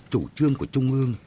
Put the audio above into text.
chủ trương của trung ương